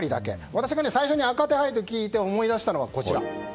私が最初に赤手配と聞いて思い出したのは、こちら。